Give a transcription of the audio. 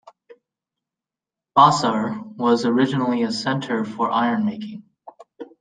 Bassar was originally a centre for iron making.